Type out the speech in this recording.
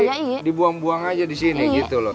oh jadi dibuang buang aja di sini gitu loh